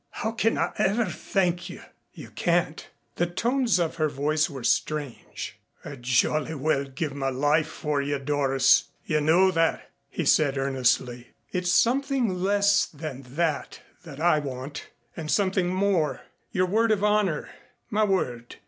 How can I ever thank you?" "You can't." The tones of her voice were strange. "I'd jolly well give my life for you, Doris. You know that," he said earnestly. "It's something less than that that I want, and something more your word of honor." "My word